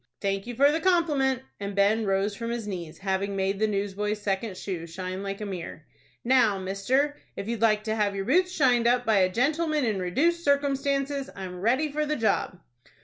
"Thank you for the compliment;" and Ben rose from his knees, having made the newsboy's second shoe shine like a mirror. "Now, mister, if you'd like to have your boots shined up by a gentleman in reduced circumstances, I'm ready for the job."